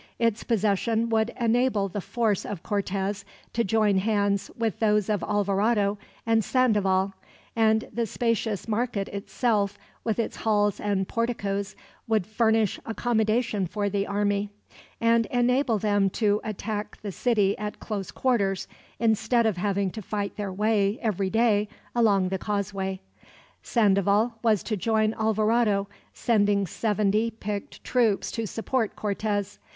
Its possession would enable the force of Cortez to join hands with those of Alvarado and Sandoval; and the spacious market itself, with its halls and porticoes, would furnish accommodation for the army; and enable them to attack the city at close quarters, instead of having to fight their way, every day, along the causeway. Sandoval was to join Alvarado, sending seventy picked troops to support Cortez.